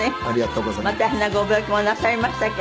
ありがとうございます。